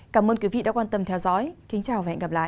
cảm ơn quý vị đã quan tâm theo dõi kính chào và hẹn gặp lại